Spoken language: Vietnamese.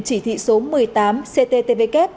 chỉ thị số một mươi tám cttvk